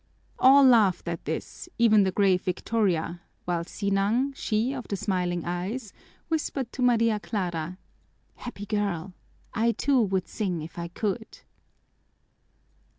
All laughed at this, even the grave Victoria, while Sinang, she of the smiling eyes, whispered to Maria Clara, "Happy girl! I, too, would sing if I could!"